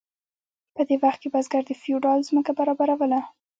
په دې وخت کې بزګر د فیوډال ځمکه برابروله.